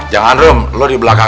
jangan rum lo di belakang